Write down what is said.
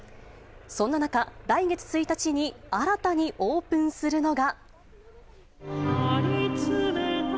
そんな中、来月１日に新たにオープンするのが。